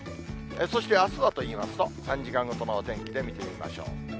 そしてあすはといいますと、３時間ごとのお天気で見てみましょう。